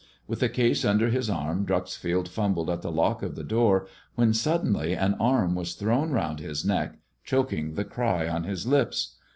With the case under his arm Dreuxfield fumbled at the lock of the door, when suddenly an arm was thrown round his neck, choking the cry on bis lips.